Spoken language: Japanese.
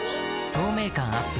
透明感アップ